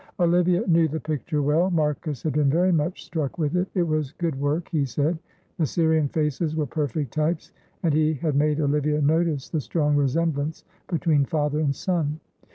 Olivia knew the picture well. Marcus had been very much struck with it, it was good work, he said; the Syrian faces were perfect types, and he had made Olivia notice the strong resemblance between father and son.